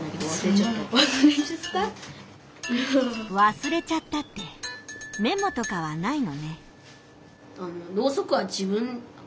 「忘れちゃった」ってメモとかはないのね。